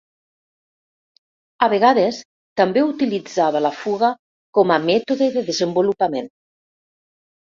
A vegades, també utilitzava la fuga com a mètode de desenvolupament.